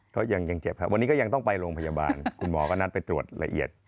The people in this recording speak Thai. ก็ยังเจ็บครับวันนี้ก็ยังต้องไปโรงพยาบาลคุณหมอก็นัดไปตรวจละเอียด